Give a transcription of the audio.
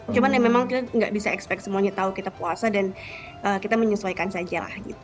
cuman ya memang kita nggak bisa expect semuanya tahu kita puasa dan kita menyesuaikan saja lah gitu